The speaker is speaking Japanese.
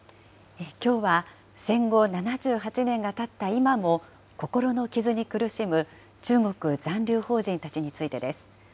きょうは、戦後７８年がたった今も、心の傷に苦しむ中国残留邦人たちについてです。